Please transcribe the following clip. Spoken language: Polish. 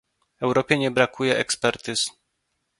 Europie nie brakuje ekspertyz